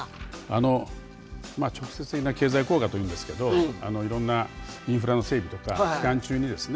あのまあ直接的な経済効果というんですけどいろんなインフラの整備とか期間中にですね